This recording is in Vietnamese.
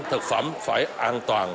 thực phẩm phải ăn cơm